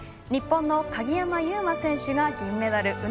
日本の鍵山優真選手が銀メダル。